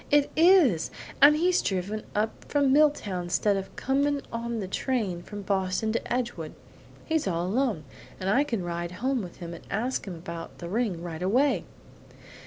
It is; and he's driven up from Milltown stead of coming on the train from Boston to Edgewood. He's all alone, and I can ride home with him and ask him about the ring right away!"